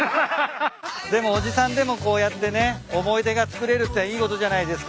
でもおじさんでもこうやってね思い出がつくれるっていいことじゃないですか。